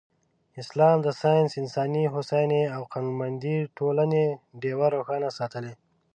اسلام د ساینس، انساني هوساینې او قانونمندې ټولنې ډېوه روښانه ساتلې.